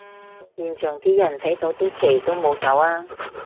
現場啲人睇到啲旗都冇走吖